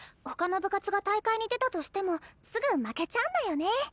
他の部活が大会に出たとしてもすぐ負けちゃうんだよね。